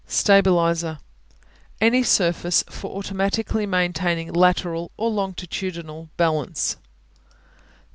Stabilizer Any surface for automatically maintaining lateral or longitudinal balance.